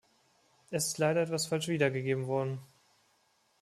Es ist leider etwas falsch wiedergegeben worden.